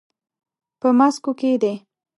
په ماسکو کې دی.